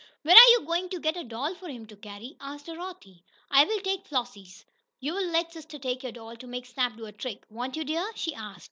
"Where are you going to get a doll for him to carry?" asked Dorothy. "I'll take Flossie's. You'll let sister take your doll to make Snap do a trick, won't you, dear?" she asked.